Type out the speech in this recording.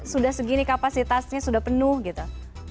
sudah segini kapasitasnya sudah penuh gitu